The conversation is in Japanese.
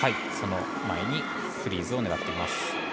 その前にフリーズを狙っています。